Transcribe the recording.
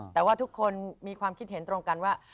แต่ว่าทุกคนมีความคิดเห็นตรงกันว่า